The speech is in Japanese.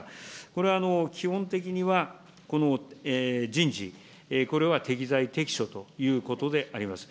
これは基本的には人事、これは適材適所ということであります。